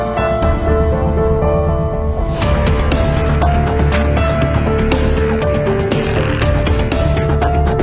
แต่แสดงว่าตอนที่ป้าถามยังไม่ถึงก้าวโมง